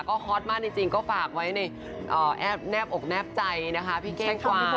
ก็ฮอตมากจริงก็ฝากไว้ในแนบอกแนบใจนะคะพี่เก้งกว่า